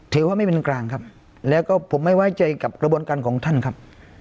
ถือว่าไม่เป็นกลางครับแล้วก็ผมไม่ไว้ใจกับกระบวนการของท่านครับ